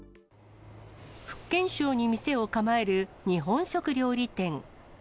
福建省に店を構える日本食料理店。